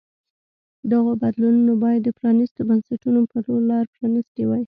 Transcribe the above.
دغو بدلونونو باید د پرانیستو بنسټونو په لور لار پرانیستې وای.